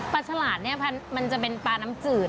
ฉลาดเนี่ยมันจะเป็นปลาน้ำจืด